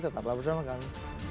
tetap laporan sama kami